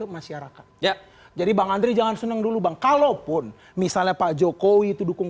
masyarakat ya jadi bang andri jangan seneng dulu bang kalaupun misalnya pak jokowi itu dukung